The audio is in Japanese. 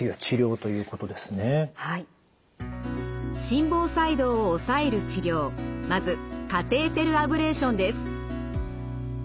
心房細動を抑える治療まずカテーテルアブレーションです。